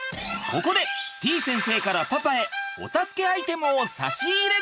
ここでてぃ先生からパパへお助けアイテムを差し入れ。